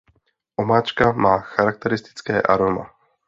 Omáčka má charakteristické aroma.